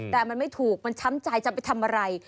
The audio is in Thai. แต่มันไม่ถูกมันช้ำใจจะไปทำอะไร